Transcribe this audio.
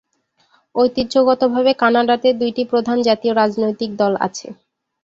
ঐতিহ্যগতভাবে কানাডাতে দুইটি প্রধান জাতীয় রাজনৈতিক দল আছে।